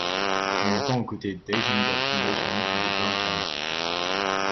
On l’entend aux côtés d’Asian Dub Fondation et de Pearl Jam.